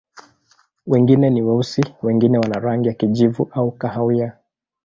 Wengine ni weusi, wengine wana rangi ya kijivu au kahawia.